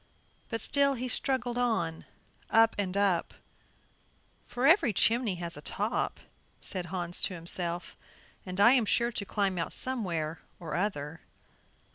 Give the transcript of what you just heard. But still he struggled on, up and up; "for every chimney has a top," said Hans to himself "and I am sure to climb out somewhere or other."